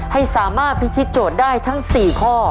ให้สามารถพิธีโจทย์ได้ทั้ง๔ข้อ